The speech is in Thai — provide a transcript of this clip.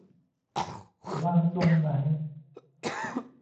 วางตรงไหน